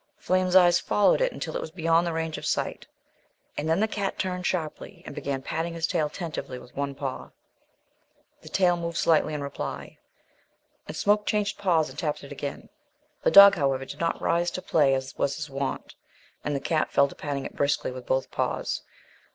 Flame's eyes followed it until it was beyond the range of sight, and then the cat turned sharply and began patting his tail tentatively with one paw. The tail moved slightly in reply, and Smoke changed paws and tapped it again. The dog, however, did not rise to play as was his wont, and the cat fell to patting it briskly with both paws.